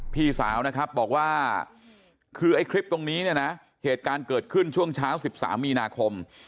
พี่สาวนะครับบอกว่าคือไอ้คลิปตรงนี้เนี่ยนะเหตุการณ์เกิดขึ้นช่วงเช้า๑๓มีนาคม